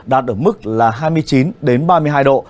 đạt ở mức là hai mươi chín ba mươi hai độ